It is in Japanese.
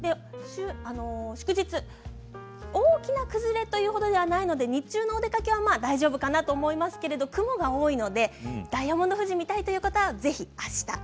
祝日、大きな崩れという程ではないので日中のお出かけは大丈夫かなと思いますけれども雲が多いのでダイヤモンド富士が見たいという方はぜひ、あした。